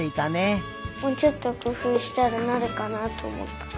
もうちょっとくふうしたらなるかなあとおもった。